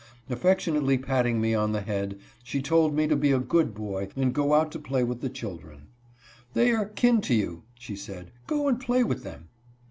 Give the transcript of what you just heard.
Affectionately patting me on the head, she told me to be a good boy and go out to play with the children. They are " kin to you," she said, "go and play with them."